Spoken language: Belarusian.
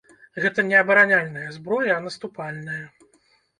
Гэта не абараняльная зброя, а наступальная.